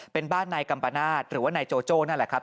เป็นบ้านนายกัมปนาศหรือว่านายโจโจ้นั่นแหละครับ